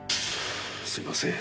すいません。